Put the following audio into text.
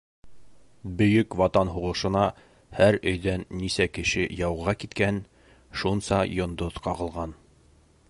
Бөйөк Ватан һуғышына һәр өйҙән нисә кеше яуға киткән, шунса йондоҙ ҡағылған.